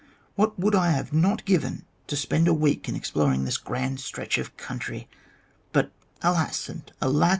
What would I not have given to spend a week in exploring this grand stretch of country ? But alas and alack